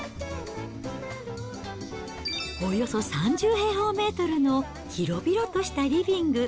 およそ３０平方メートルの広々としたリビング。